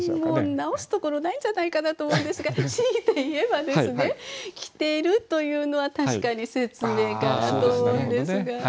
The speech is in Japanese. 直すところないんじゃないかなと思うんですが強いて言えばですね「着てる」というのは確かに説明かなと思うんですが。